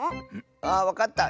あわかった。